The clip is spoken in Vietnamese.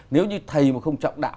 nếu như thầy mà không trọng đạo